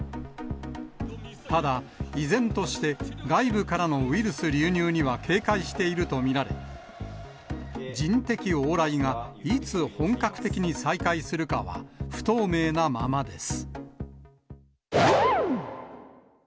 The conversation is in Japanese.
ただ、依然として外部からのウイルス流入には警戒していると見られ、人的往来がいつ本格的に再開するかは不透明なままです。